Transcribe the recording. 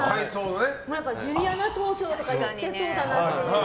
やっぱりジュリアナ東京とか行ってそうだなと。